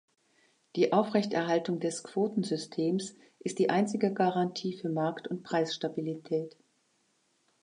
Die Aufrechterhaltung des Quotensystems ist die einzige Garantie für Markt- und Preisstabilität.